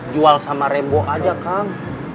jual sama rebo aja kang